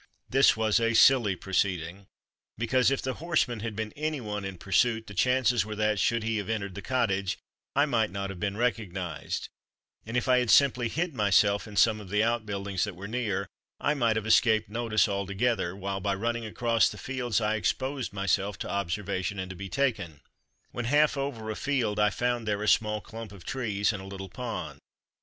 This was a silly proceeding, because if the horseman had been any one in pursuit, the chances were that, should he have entered the cottage, I might not have been recognized; and if I had simply hid myself in some of the outbuildings that were near I might have escaped notice altogether, while by running across the fields I exposed myself to observation, and to be taken. When half over a field I found there a small clump of trees, and a little pond.